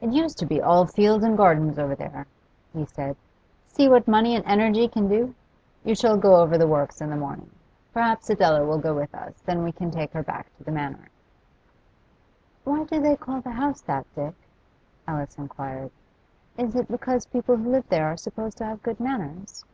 'It used to be all fields and gardens over there,' he said. 'See what money and energy can do! You shall go over the works in the morning. Perhaps Adela will go with us, then we can take her back to the Manor.' 'Why do they call the house that, Dick?' Alice inquired. 'Is it because people who live there are supposed to have good manners?